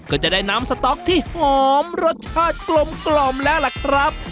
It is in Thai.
ก็จะได้น้ำสต๊อกที่หอมรสชาติกลมแล้วล่ะครับ